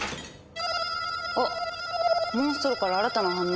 あっモンストロから新たな反応。